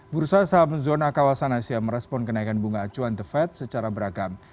bursa saham zona kawasan asia merespon kenaikan bunga acuan the fed secara beragam